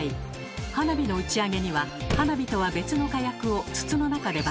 花火の打ち上げには花火とは別の火薬を筒の中で爆発させるということが